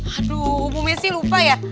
aduh bu messi lupa ya